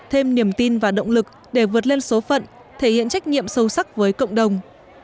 thêm niềm tin và động lực để vượt lên số phận thể hiện trách nhiệm sâu sắc với cộng đồng